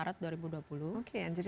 ya satu bulan